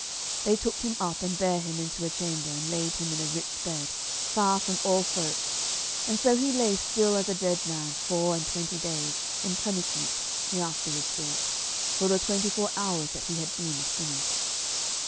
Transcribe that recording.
They took him up, and bare him into a chamber, and laid him in a rich bed, far from all folk, and so he lay still as a dead man four and twenty days, in punishment, he afterwards thought, for the twenty four years that he had been a sinner.